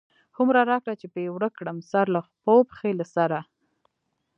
هو مره را کړه چی پی ورک کړم، سرله پښو، پښی له سره